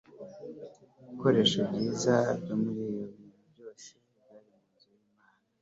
ibikoresho byiza byo muri yo ibintu byose byari mu nzu y'imana